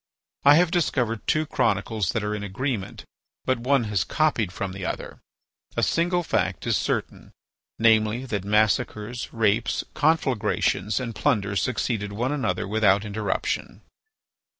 I have discovered two chronicles that are in agreement, but one has copied from the other. A single fact is certain, namely, that massacres, rapes, conflagrations, and plunder succeeded one another without interruption.